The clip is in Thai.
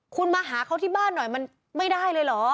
คุณมาหาเขาที่บ้านหน่อยมันไม่ได้เลยเหรอ